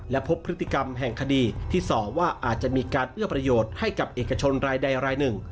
และพบพฤติกรรมแห่งคดีที่ส่อว่าอาจจะมีการเอื้อประโยชน์ให้กับเอกชนรายใดรายหนึ่ง